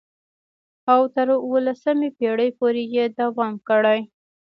او تر اوولسمې پېړۍ پورې یې دوام کړی.